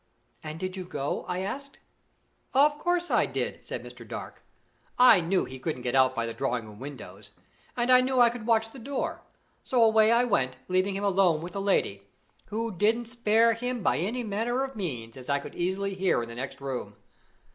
'" "And did you go?" I asked. "Of course I did," said Mr. Dark. "I knew he couldn't get out by the drawing room windows, and I knew I could watch the door; so away I went, leaving him alone with the lady, who didn't spare him by any manner of means, as I could easily hear in the next room.